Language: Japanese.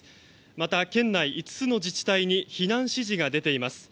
また県内５つの自治体に避難指示が出ています。